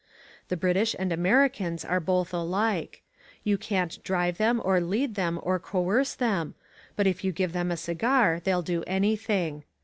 The British and Americans are both alike. You can't drive them or lead them or coerce them, but if you give them a cigar they'll do anything.